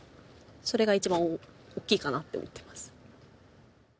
それが一番大きいかなって思っています。